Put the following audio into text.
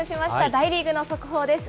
大リーグの速報です。